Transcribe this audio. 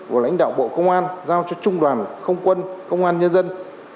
của lãnh đạo bộ công an giao cho trung đoàn không quân công an nhân dân